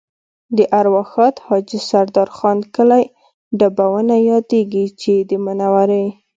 د ارواښاد حاجي سردار خان کلی ډبونه یادېږي چې د منورې